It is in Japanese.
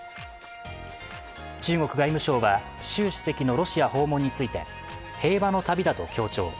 中国外務省は習主席のロシア訪問について平和の旅だと強調。